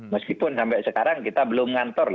meskipun sampai sekarang kita belum ngantor